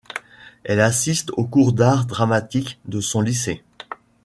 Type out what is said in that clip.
Elle assiste au cours d'art dramatique de son lycée.